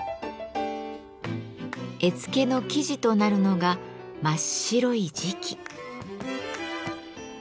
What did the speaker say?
絵付けの素地となるのが真っ白い磁器。